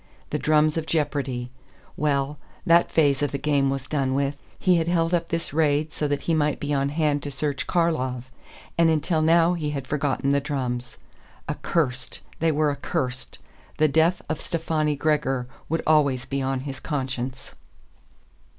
The drums of jeopardy. Well, that phase of the game was done with. He had held up this raid so that he might be on hand to search Karlov; and until now he had forgotten the drums. Accurst! They were accurst. The death of Stefani Gregor would always be on his conscience.